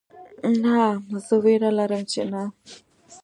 نه زه ویره لرم چې نه